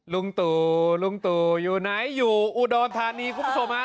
ลุงตู่ลุงตู่อยู่ไหนอยู่อุดรธานีคุณผู้ชมฮะ